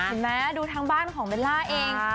ใช่ไหมดูทางบ้านของเบลลาเอง